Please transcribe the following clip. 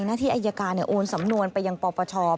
พอใจนะที่อายการโอนสำนวนไปยังป่อปชอบ